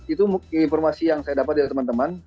itu informasi yang saya dapat dari teman teman